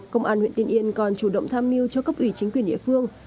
công an huyện tiên yên còn chủ động tham mưu cho cấp ủy chính quyền địa phương